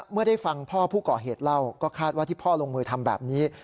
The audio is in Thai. เมื่อได้ฟังพ่อผู้ก่อเหตุเล่าก็คาดว่าที่พ่อลงมือทำแบบนี้